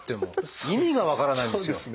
もう意味が分からないんですよ。